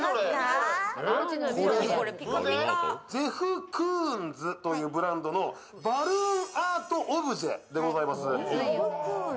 ジェフ・クーンズというブランドのバルーンアートオブジェでございます。